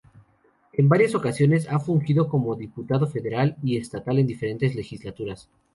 En varias ocasiones ha fungido como diputado federal y estatal en diferentes legislaturas.